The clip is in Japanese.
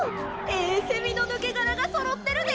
ええセミのぬけがらがそろってるで！